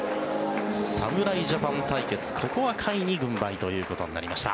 侍ジャパン対決、ここは甲斐に軍配ということになりました。